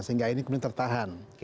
sehingga airnya kemudian tertahan